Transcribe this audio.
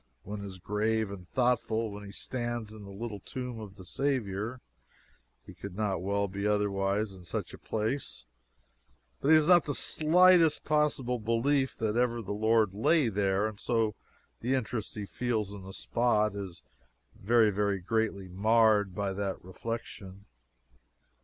One is grave and thoughtful when he stands in the little Tomb of the Saviour he could not well be otherwise in such a place but he has not the slightest possible belief that ever the Lord lay there, and so the interest he feels in the spot is very, very greatly marred by that reflection.